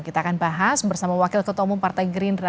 kita akan bahas bersama wakil ketua umum partai gerindra